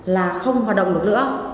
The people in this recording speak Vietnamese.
là không hoạt động được nữa